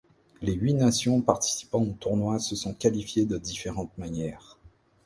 Les huit nations participant au tournoi se sont qualifiées de différentes manières.